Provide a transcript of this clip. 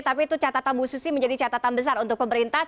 tapi itu catatan bu susi menjadi catatan besar untuk pemerintah